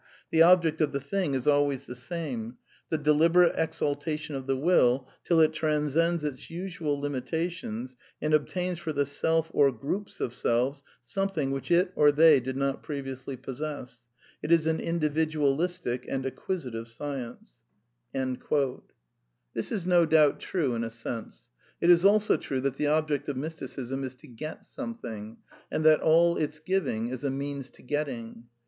... The object of the thing is always the same : the deliberate exaltation of the will, till it transcends its usual limitations, and obtains for the self or groups of selves something which it or they did not previously possess. It is an V individualistic and acquisitive science. ...^^ {Mysticism, pp. ^\84, 86.) 260 A DEFENCE OF IDEALISM This is no doubt true in a sense. It is also true that the object of Mysticism is to get something, and that all ^N^^its giving is a means to getting.